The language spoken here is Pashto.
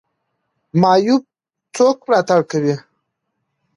معیوب څوک ملاتړ کوي؟